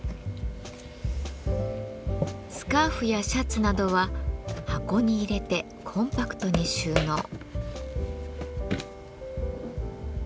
スカーフやシャツなどは箱に入れてコンパクトに収納。